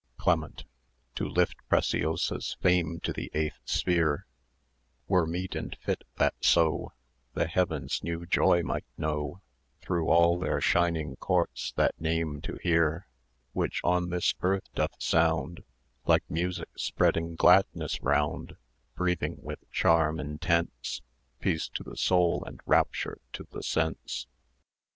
CLEMENT To lift Preciosa's fame to the eighth sphere Were meet and fit, that so The heavens new joy might know Through all their shining courts that name to hear, Which on this earth doth sound Like music spreading gladness round, Breathing with charm intense Peace to the soul and rapture to the sense.